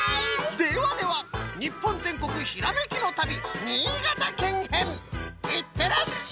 ではでは「日本全国ひらめきの旅新潟県編」いってらっしゃい！